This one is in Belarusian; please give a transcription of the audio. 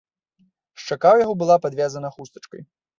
Шчака ў яго была падвязана хустачкай.